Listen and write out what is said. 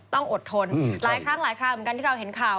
ต้องอดทนหลายครั้งหลายคราวเหมือนกันที่เราเห็นข่าว